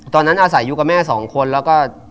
ตอนนั้นอาศัยอยู่กับแม่สองคนแล้วก็